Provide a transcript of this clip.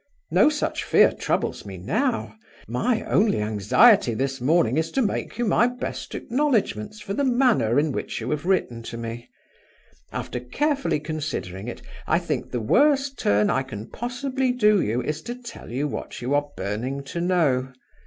No such fear troubles me now. My only anxiety this morning is to make you my best acknowledgments for the manner in which you have written to me. After carefully considering it, I think the worst turn I can possibly do you is to tell you what you are burning to know.